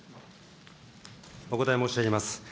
お答え申し上げます。